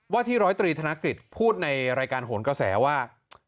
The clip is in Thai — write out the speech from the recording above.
วัทธิ๑๐๓ธนกิจพูดในรายการโหลก่าวแสว่า